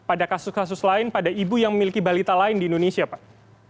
pada kasus kasus lain pada ibu yang memiliki balita lain di indonesia pak